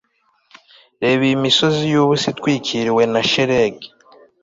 reba iyi misozi yubusa itwikiriwe na shelegi